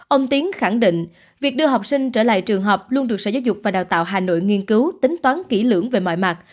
ông tiến khẳng định việc đưa học sinh trở lại trường học luôn được sở giáo dục và đào tạo hà nội nghiên cứu tính toán kỹ lưỡng về mọi mặt